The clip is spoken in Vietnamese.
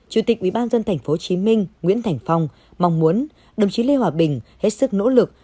chủ tịch ủy ban nhân dân tp hcm nguyễn thành phong mong muốn đồng chí lê hòa bình hết sức nỗ lực